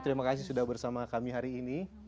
terima kasih sudah bersama kami hari ini